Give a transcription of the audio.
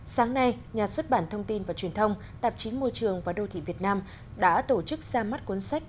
sáng nay nhà xuất bản thông tin và truyền thông tạp chí môi trường và đô thị việt nam đã tổ chức ra mắt cuốn sách